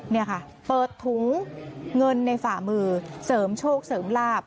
นี่ค่ะเปิดถุงเงินในฝ่ามือเสริมโชคเสริมลาบ